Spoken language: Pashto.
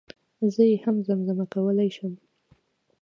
زه يي هم زم زمه کولی شم